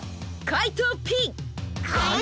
かいとうＰ！？